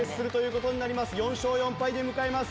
４勝４敗で迎えます。